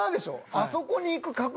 あそこに行く確率